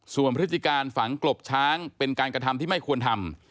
ส่วนพฤติการฝังกลบช้างเป็นการกระทำที่ไม่ควรทำ